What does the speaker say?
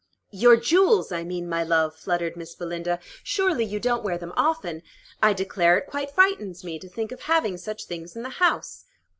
"Your jewels, I mean, my love," fluttered Miss Belinda. "Surely you don't wear them often. I declare, it quite frightens me to think of having such things in the house."